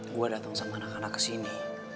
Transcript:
gue datang sama anak anak kesini